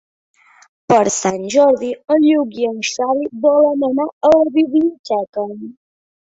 Per Sant Jordi en Lluc i en Xavi volen anar a la biblioteca.